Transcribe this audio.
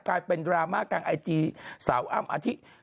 กลายเป็นดราม่ากลางไอจีสาวอ้ำอาธิ